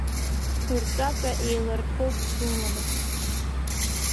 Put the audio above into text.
Хьырҵәаҵәа еиларҭәоуп быламыс.